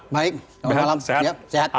baik selamat malam